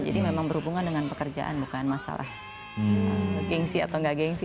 jadi memang berhubungan dengan pekerjaan bukan masalah gengsi atau gak gengsi